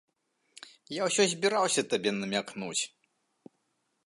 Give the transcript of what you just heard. Я ўсё збіраўся табе намякнуць.